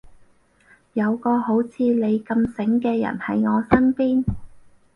有個好似你咁醒嘅人喺我身邊